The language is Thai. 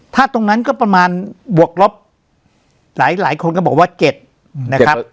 ถ้าตรงนั้นก็ประมาณบวกลบหลายคนก็บอกว่า๗นะครับ